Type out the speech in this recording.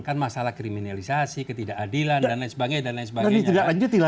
kan masalah kriminalisasi ketidakadilan dan lain sebagainya